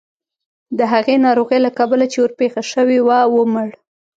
د هغې ناروغۍ له کبله چې ورپېښه شوې وه ومړ.